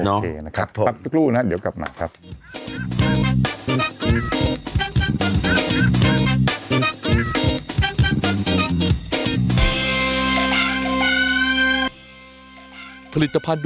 โอเคนะครับพักทุกลูกนะครับเดี๋ยวกลับมาครับครับผม